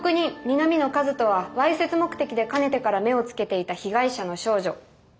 南野一翔はわいせつ目的でかねてから目をつけていた被害者の少女